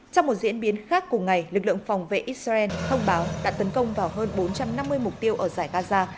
trong một diễn biến khác cùng ngày lực lượng phòng vệ israel thông báo đã tấn công vào hơn bốn trăm năm mươi mục tiêu ở giải gaza